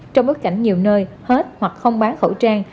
trong bối cảnh nhiều nơi hết hoặc không bán khẩu trang